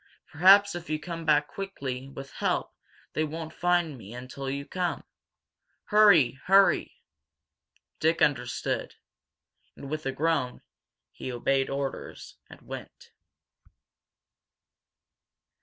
Perhaps if you come back quickly with help they won't find me until you come! Hurry hurry!" Dick understood. And, with a groan, he obeyed orders, and went.